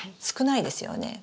少ないですよね。